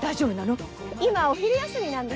今お昼休みなんで。